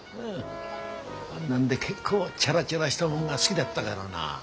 あんなんで結構チャラチャラしたもんが好ぎだったがらな。